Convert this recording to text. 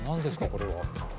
これは。